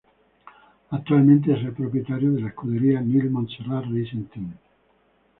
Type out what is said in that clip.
Actualmente es el propietario de la escudería Nil Montserrat Racing Team.